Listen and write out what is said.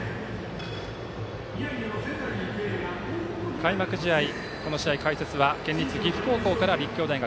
開幕試合、この試合の解説は県立岐阜高校から立教大学